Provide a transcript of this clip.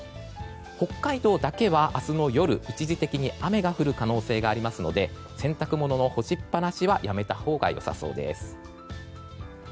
北海道だけは明日の夜、一時的に雨が降る可能性がありますので洗濯物の干しっぱなしはやめたほうが良さそうです。